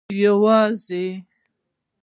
یوازي